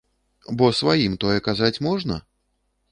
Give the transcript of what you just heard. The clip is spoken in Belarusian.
Бо сваім тое казаць можна?